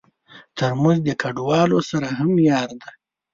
ترموز د کډوالو سره هم یار دی.